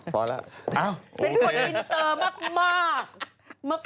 เป็นคนอินเตอร์มาก